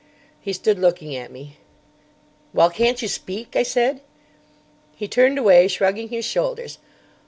He stood looking at me. "Well, can't you speak?" I said. He turned away, shrugging his shoulders.